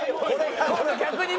今度逆にね。